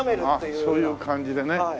ああそういう感じでね。